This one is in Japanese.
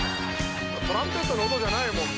トランペットの音じゃないもんな。